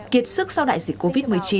kiệt sức sau đại dịch covid một mươi chín